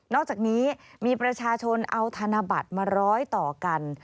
อกจากนี้มีประชาชนเอาธนบัตรมาร้อยต่อกัน